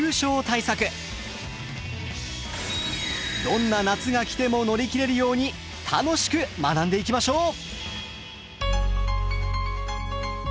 どんな夏が来ても乗り切れるように楽しく学んでいきましょう！